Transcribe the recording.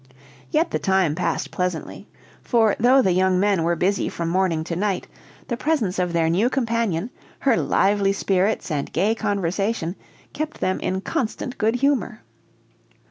Yet the time passed pleasantly; for though the young men were busy from morning to night, the presence of their new companion, her lively spirits and gay conversation, kept them in constant good humor.